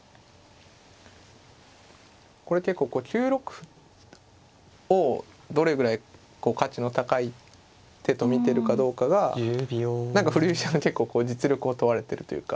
これ結構９六歩をどれぐらい価値の高い手と見てるかどうかが何か振り飛車が結構こう実力を問われてるというか。